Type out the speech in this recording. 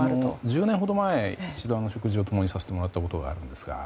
１０年ほど前一度、食事を共にさせてもらったことがありますが。